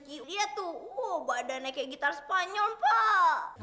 iya tuh badannya kayak gitar spanyol pak